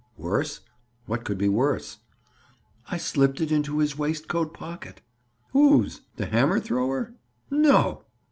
"Worse? What could be worse?" "I slipped it into his waistcoat pocket." "Whose? The hammer thrower? No?